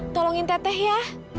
tolongin teteh ya